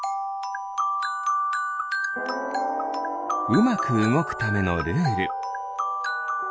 うまくうごくためのルール。